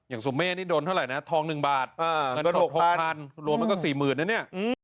อย่างสุเม่นี่โดนเท่าไหร่นะทอง๑บาทเงิน๖๐๐๐บาทรวมก็๔๐๐๐๐บาทนะเนี่ย